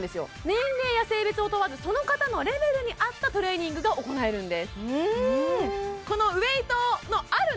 年齢や性別を問わずその方のレベルに合ったトレーニングが行えるんです